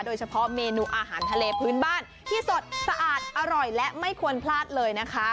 โดยเฉพาะเมนูอาหารทะเลพื้นบ้านที่สดสะอาดอร่อยและไม่ควรพลาดเลยนะคะ